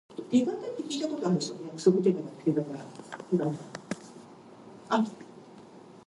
There were also Italians on board the aircraft.